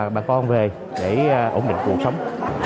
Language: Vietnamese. bà con về để ổn định cuộc sống